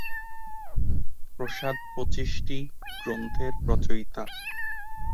প্রসাদ পঁচিশটি গ্রন্থের রচয়িতা।